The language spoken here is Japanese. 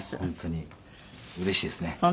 本当にうれしいですね。